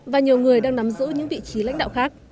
và nhiều người đang nắm giữ những vị trí lãnh đạo khác